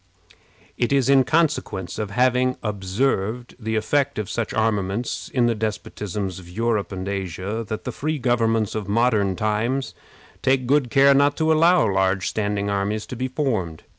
It is in consequence of having observed the effect of such armaments in the despotisms of Europe and Asia that the free governments of modern times take good care not to allow large standing armies to be formed.